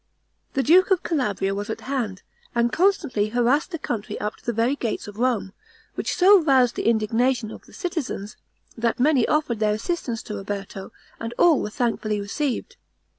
The duke of Calabria was at hand, and constantly harassed the country up to the very gates of Rome, which so roused the indignation of the citizens, that many offered their assistance to Roberto, and all were thankfully received.